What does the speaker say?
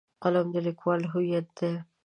قلم د لیکوال هویت دی.